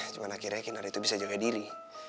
cuma akhirnya kinar itu bisa jaga diri